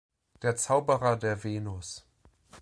„Der Zauberer der Venus“.